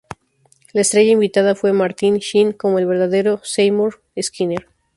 La estrella invitada fue Martin Sheen como el verdadero Seymour Skinner.